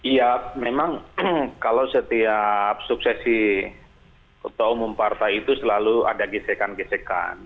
ya memang kalau setiap suksesi ketua umum partai itu selalu ada gesekan gesekan